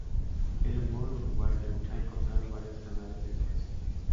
El humor uruguayo ha encontrado varios canales de expresión.